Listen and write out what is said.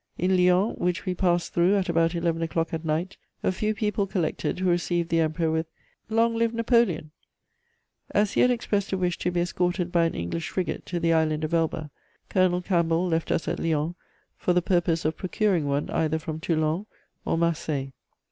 In Lyons, which we passed through at about eleven o'clock at night, a few people collected who received the Emperor with 'Long live Napoleon!' As he had expressed a wish to be escorted by an English frigate to the island of Elba, Colonel Campbell left us at Lyons for the purpose of procuring one either from Toulon or Marseilles.